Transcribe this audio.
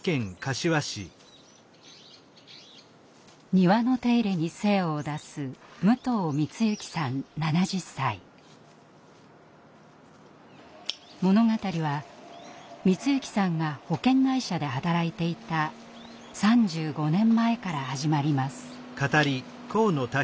庭の手入れに精を出す物語は光行さんが保険会社で働いていた３５年前から始まります。